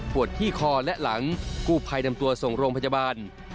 ที่คอและหลังกู้ภัยนำตัวส่งโรงพยาบาล